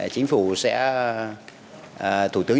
chính phủ sẽ thủ tướng